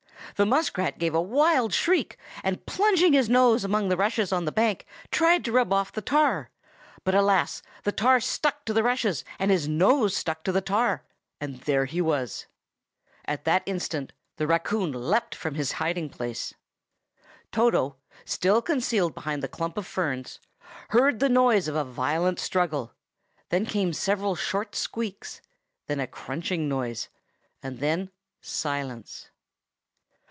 The muskrat gave a wild shriek, and plunging his nose among the rushes on the bank, tried to rub off the tar. But, alas! the tar stuck to the rushes, and his nose stuck to the tar, and there he was! At that instant the raccoon leaped from his hiding place. Toto, still concealed behind the clump of ferns, heard the noise of a violent struggle; then came several short squeaks; then a crunching noise; and then silence.